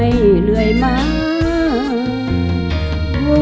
อายเหนื่อยมาก